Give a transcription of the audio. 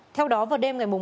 theo đó vào đêm ngày một